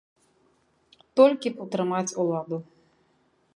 Толькі б утрымаць уладу.